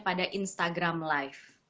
pada instagram live